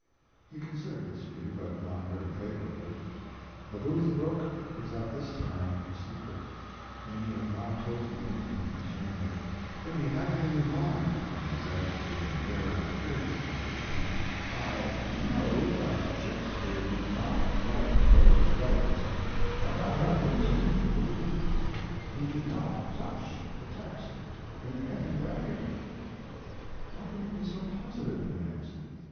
He considered this view, but not very favorably. The Booth book was at this time a secret, and he had not told me anything concerning it; but he had it in his mind when he said, with an air of the greatest conviction: "I know that Shakespeare did not write those plays, and I have reason to believe he did not touch the text in any way." "How can you be so positive?" I asked.